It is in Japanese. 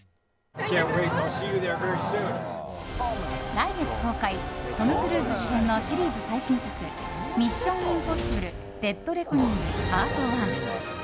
来月公開トム・クルーズ主演のシリーズ最新作「ミッション：インポッシブル／デッドレコニングＰＡＲＴＯＮＥ」。